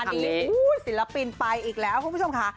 อันนี้ศิลปินไปอีกแล้วคุณผู้ชมค่ะ